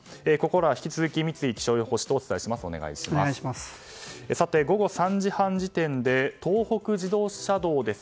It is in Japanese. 引き続き三井気象予報士とお伝えします。